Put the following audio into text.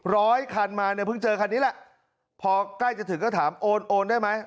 ร้อยคันมาเนี่ยเพิ่งเจอคันนี้แหละพอใกล้จะถึงก็ถามโอนโอนได้ไหม